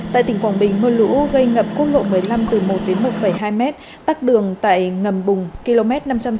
tại tỉnh quảng bình mưa lũ gây ngập khuôn lộ một mươi năm từ một đến một hai m tắt đường tại ngầm bùng km năm trăm sáu mươi hai hai trăm linh